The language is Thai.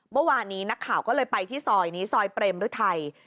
เมื่อวานนี้นักข่าวก็เลยไปที่ซอยนี้ซอยเปรมฤทัย